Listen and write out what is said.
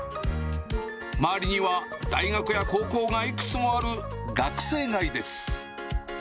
周りには大学や高校がいくつもある学生街です。